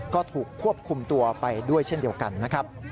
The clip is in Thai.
ก็ถูกควบคุมตัวไปด้วยเช่นเดียวกันนะครับ